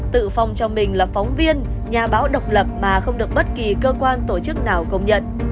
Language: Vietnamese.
tự phòng cho mình là phóng viên nhà báo độc lập mà không được bất kỳ cơ quan tổ chức nào công nhận